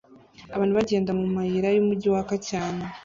Abantu bagenda mumayira yumujyi waka cyane